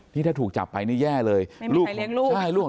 นี่ถ้าถูกจับไปนี่แย่เลยไม่มีใครเลี้ยงลูก